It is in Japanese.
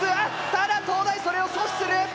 ただ東大それを阻止する。